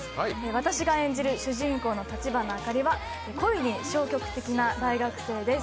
私が演じる主人公の立花あかりは恋に消極的な大学生です。